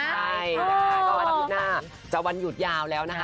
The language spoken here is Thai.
ใช่นะคะก็อาทิตย์หน้าจะวันหยุดยาวแล้วนะคะ